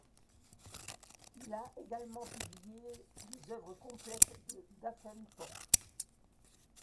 Il a également publié les œuvres complètes de Davenport.